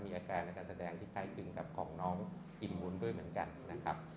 มีอาการและการแสดงที่ใกล้ถึงกับของน้องยิ้มมุนด้วยเหมือนกันนะครับ